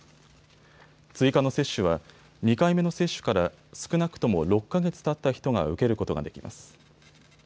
追加の接種は２回目の接種から少なくとも６か月たった人が受けることができます。